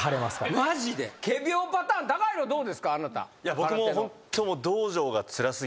僕もホンット。